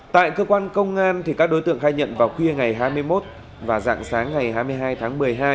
tại cơ quan công an các đối tượng khai nhận vào khuya ngày hai mươi một và dạng sáng ngày hai mươi hai tháng một mươi hai